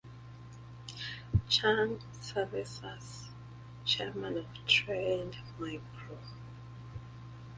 Chang serves as chairman of Trend Micro.